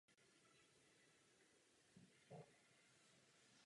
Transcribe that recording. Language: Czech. Zbytečné předpisy zabírají hodně času a stojí hodně peněz.